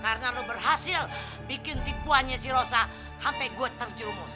karena lo berhasil bikin tipuannya si rosa sampai gue terjumus